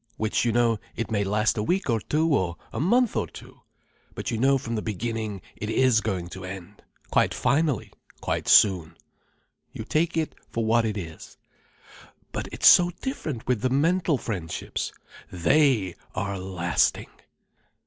Which you know. It may last a week or two, or a month or two. But you know from the beginning it is going to end—quite finally—quite soon. You take it for what it is. But it's so different with the mental friendships. They are lasting.